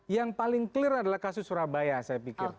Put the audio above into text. yang paling clear adalah kasus surabaya saya pikir